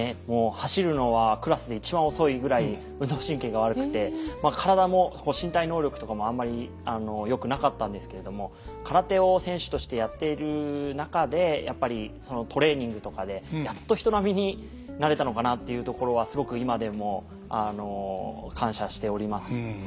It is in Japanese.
走るのはクラスで一番遅いぐらい運動神経が悪くて体も身体能力とかもあんまりよくなかったんですけれども空手を選手としてやっている中でやっぱりそのトレーニングとかでやっと人並みになれたのかなっていうところはすごく今でも感謝しております。